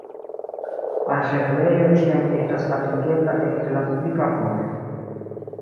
Alveturejo ĉiam estas atingebla ekde la publika vojo.